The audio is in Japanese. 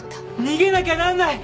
逃げなきゃなんない！